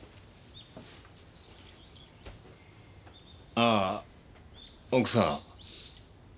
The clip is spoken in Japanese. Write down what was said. ああ奥さん。